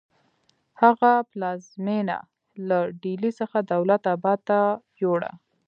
هغه پلازمینه له ډیلي څخه دولت اباد ته یوړه.